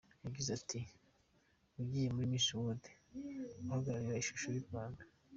Yagize ati "Ugiye muri Miss World guhagararira ishusho y’u Rwanda.